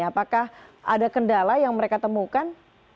apakah ada kendala yang mereka temukan